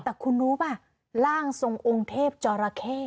แต่คุณรู้ป่ะร่างทรงองค์เทพจอราเข้